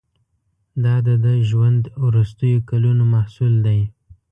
دا د ده ژوند وروستیو کلونو محصول دی.